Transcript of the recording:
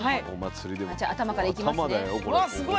じゃあ頭からいきますね。